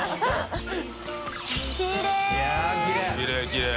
きれい！